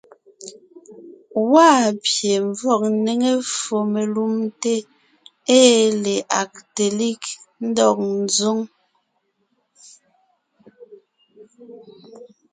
Gwaa pye ḿvɔg ńnéŋe ffo melumte ée le Agtelig ńdɔg ńzoŋ.